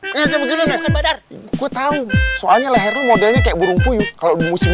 kayak begini nih kayak begini nih gue tau soalnya lehernya modelnya kayak burung puyuh kalau musim